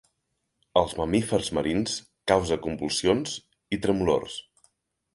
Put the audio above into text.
Als mamífers marins causa convulsions i tremolors.